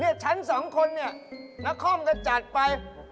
นี่ฉันสองคนนี่นักคล่อมก็จัดไป